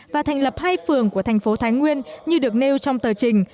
và thành lập hai phường của thành phố thái nguyên như được nêu trong tờ trình